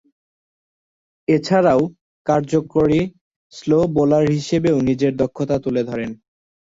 এছাড়াও, কার্যকরী slow bowler হিসেবেও নিজের দক্ষতা তুলে ধরেন।